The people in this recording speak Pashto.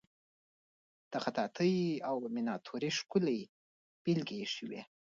د خطاطی او میناتوری ښکلې بیلګې ایښې وې.